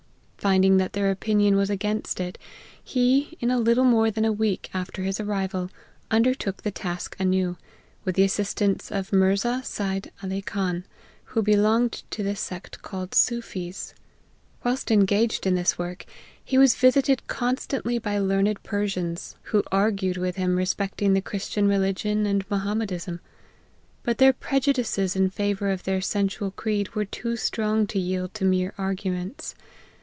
Finding that their opinion was against it, he, in a little more than a week af ter his arrival, undertook the task anew, with the assistance of Mirza Seid Ali Khan, who belonged to the sect called Soofees. Whilst engaged in this work, he was visited constantly by learned Per sians, who argued with him respecting the Christian religion and Mohammedism. But their prejudices in favour of their sensual creed were too strong to yield to mere arguments.